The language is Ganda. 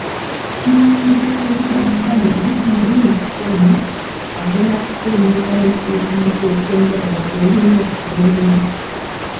Omuwandiisi w'enkalakkalira mu minisitule eno agenda kufulumyawo ekiwandiiko ekyenjawulo ku birina okugoberera.